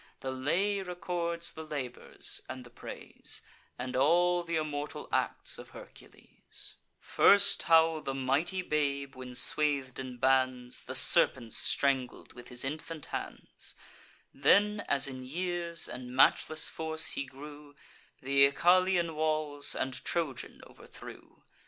The lay records the labours, and the praise, And all th' immortal acts of Hercules: First, how the mighty babe, when swath'd in bands, The serpents strangled with his infant hands; Then, as in years and matchless force he grew, Th' Oechalian walls, and Trojan, overthrew.